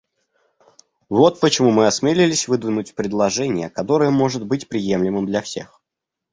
Вот почему мы осмелились выдвинуть предложение, которое может быть приемлемым для всех.